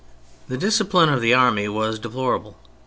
The discipline of the army was A. deplorable.